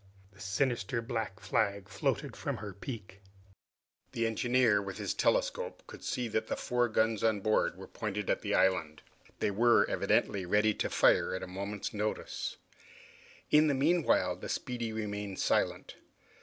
The sinister black flag floated from the peak. The engineer, with his telescope, could see that the four guns on board were pointed at the island. They were evidently ready to fire at a moment's notice. In the meanwhile the "Speedy" remained silent.